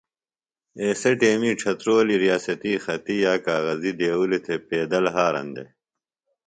ایسےۡ ٹیمی ڇھترولی ریاستی خطی یا کاغذی دیوُلی تھے پیدل ہارن دےۡ